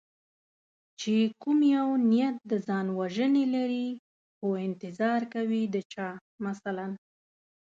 چې کوم یو نیت د ځان وژنې لري څو انتظار کوي د چا مثلا